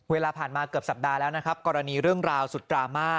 เวลาผ่านมาเกือบสัปดาห์แล้วนะครับกรณีเรื่องราวสุดดราม่า